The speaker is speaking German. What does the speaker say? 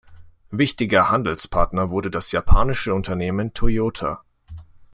Wichtiger Handelspartner wurde das japanische Unternehmen Toyota.